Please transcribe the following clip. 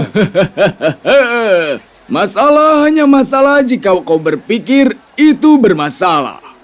hahaha masalah hanya masalah jika kau berpikir itu bermasalah